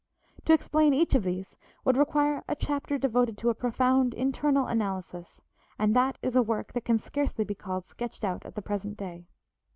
To explain each of these would require a chapter devoted to a profound internal analysis, and that is a work that can scarcely be called sketched out at the present day.